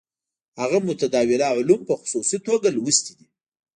هغه متداوله علوم په خصوصي توګه لوستي دي.